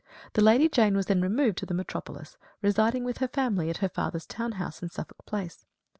The Lady Jane was then removed to the metropolis, residing with her family at her father's town house, in Suffolk Place.